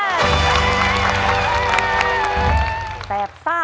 ตอนนี้มีคะแนนสะสมเพิ่มขึ้นมาเป็นสองคะแนน